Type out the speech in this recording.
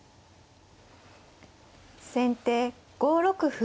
先手５六歩。